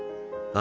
あ。